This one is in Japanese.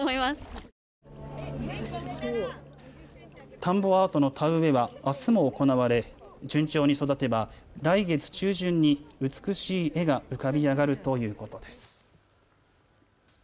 田んぼアートの田植えはあすも行われ、順調に育てば来月中旬に美しい絵が浮かび上がるということです。